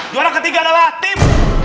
juara ketiga adalah tim